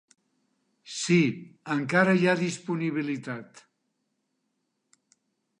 Sí, encara hi ha disponibilitat.